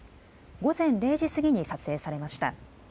午前０時過ぎに撮影されました。